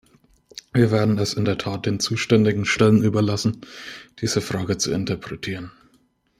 Wir werden es in der Tat den zuständigen Stellen überlassen, diese Frage zu interpretieren.